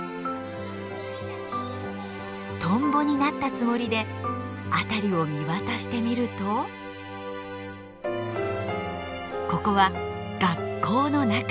トンボになったつもりで辺りを見渡してみるとここは学校の中！